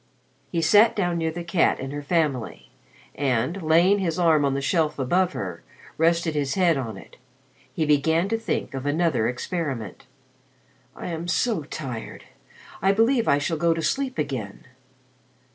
He sat down near the cat and her family, and, laying his arm on the shelf above her, rested his head on it. He began to think of another experiment. "I am so tired, I believe I shall go to sleep again.